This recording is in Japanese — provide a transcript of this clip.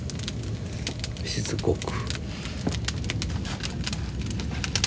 しつこく。